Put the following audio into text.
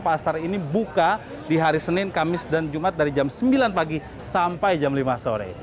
pasar ini buka di hari senin kamis dan jumat dari jam sembilan pagi sampai jam lima sore